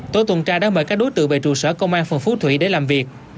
tổ tuần tra đã mời các đối tượng về trụ sở công an phường phú thủy để làm việc